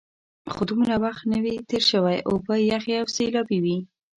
خو دومره وخت نه وي تېر شوی، اوبه یخې او سیلابي وې.